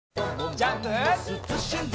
ジャンプ！